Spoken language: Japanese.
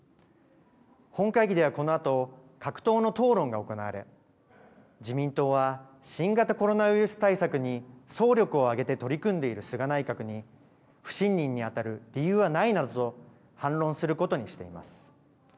本会議ではこのあと各党の討論が行われ自民党は新型コロナウイルス対策に総力を挙げて取り組んでいる菅内閣に不信任にあたる理由はないなどと反論することにしています。